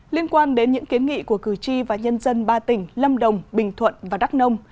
liên quan đến những kiến nghị của cử tri và nhân dân ba tỉnh lâm đồng bình thuận và đắk nông